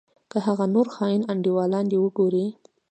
که هغه نور خاين انډيوالان دې وګورې.